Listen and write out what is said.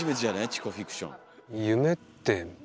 「チコフィクション」。